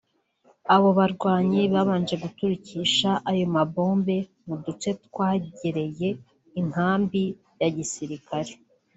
abo bagwanyi babanje guturikisha ayo ma bombe mu duce twegereye inkambi ya gisirikare